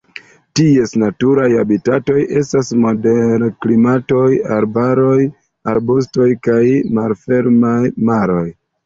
Ties natura habitato estas moderklimataj arbaroj, arbustaroj, kaj malfermaj maroj.